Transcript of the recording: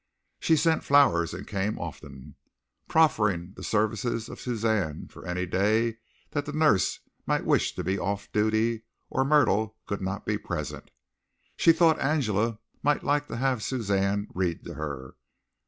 She sent flowers and came often, proffering the services of Suzanne for any day that the nurse might wish to be off duty or Myrtle could not be present. She thought Angela might like to have Suzanne read to her.